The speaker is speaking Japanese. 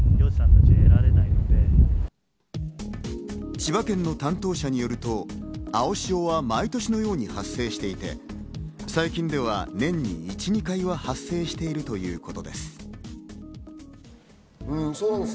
千葉県の担当者によると、青潮は毎年のように発生していて、最近では年に１２回も発生しているということです。